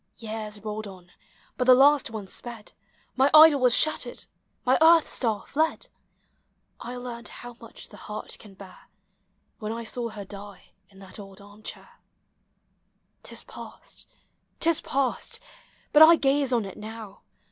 Years rolled on, but the last one sped — My idol was shattered, my earth star fled ! I learnt how much the heart can bear, WThen I saw her die in her old arm chair. 'T is past, 't is past ! but I gaze on it now.